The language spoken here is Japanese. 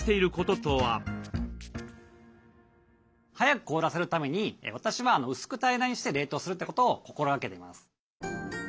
速く凍らせるために私は薄く平らにして冷凍するってことを心がけてます。